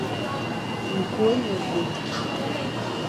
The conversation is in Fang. Ku é ne mvè.